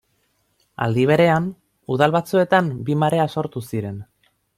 Aldi berean, udal batzuetan bi marea sortu ziren.